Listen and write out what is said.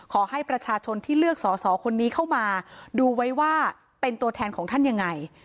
ขอให้ประชาชนที่เลือกสอสอคนนี้เข้ามาดูไว้ว่าเป็นตัวแทนของท่านยังไง